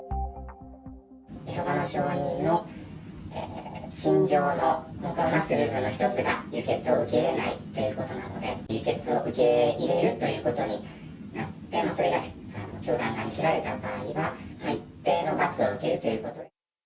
エホバの証人の信条の根幹の一つが輸血を受け入れないということなので、輸血を受け入れるということになって、それが教団側に知られた場合は、一定の罰を受けるということ。